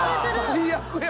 最悪や！